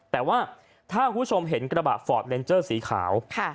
แต่ว่าถ้าคุณผู้ชมเห็นกระบะฟอร์ดเลนเจอร์สีขาว